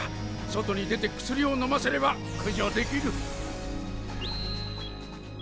外に出て薬をのませれば駆除できる。